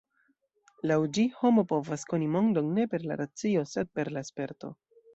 Laŭ ĝi homo povas koni mondon ne per la racio sed per la sperto.